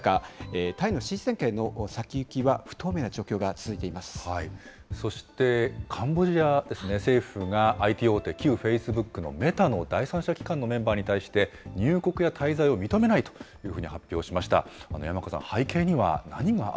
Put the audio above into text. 総選挙から２か月近くたつ中、タイの新政権の先行きは不透明な状そして、カンボジアですね、政府がＩＴ大手、旧フェイスブックのメタの第三者機関のメンバーに対して、入国や滞在を認めないというふうに発表しました。